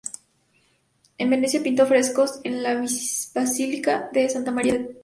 En Venecia pintó frescos en la Basílica de Santa Maria della Salute.